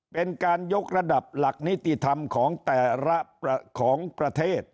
เป็นการยกระดับหลักนิติธรรมของแต่ละของประเทศ